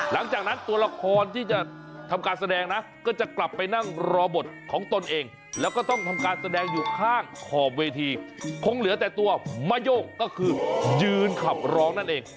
หลังจากนั้นตัวละครที่จะทำการแสดงนะก็จะกลับไปนั่งรอบทของตนเองแล้วก็ต้องทำการแสดงอยู่ข้างขอบเวทีคงเหลือแต่ตัวมะโย่งก็คือยืนขับร้องนั่นเอง